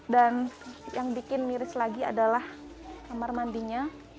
dan yang bikin miris lagi adalah kamar mandinya